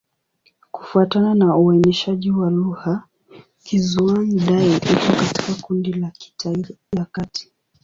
Kufuatana na uainishaji wa lugha, Kizhuang-Dai iko katika kundi la Kitai ya Kati.